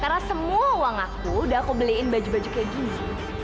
karena semua uang aku udah aku beliin baju baju kayak gini